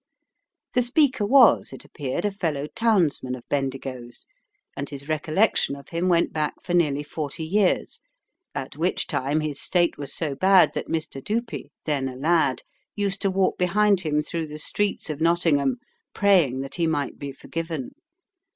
The speaker was, it appeared, a fellow townsman of Bendigo's, and his recollection of him went back for nearly forty years, at which time his state was so bad that Mr. Dupee, then a lad, used to walk behind him through the streets of Nottingham praying that he might be forgiven.